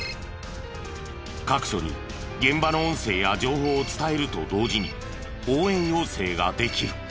各所に現場の音声や情報を伝えると同時に応援要請ができる。